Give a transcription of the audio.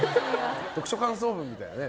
読書感想文みたいなね。